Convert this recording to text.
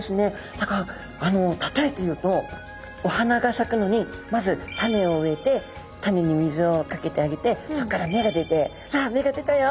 だからたとえて言うとお花がさくのにまず種を植えて種に水をかけてあげてそこから芽が出て「わあ芽が出たよ」